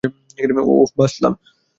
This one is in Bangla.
ওহ, বাঁচলাম।